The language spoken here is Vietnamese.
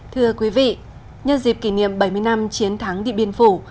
thưa quý vị nhân dịp kỷ niệm bảy mươi năm chiến thắng địa biên phủ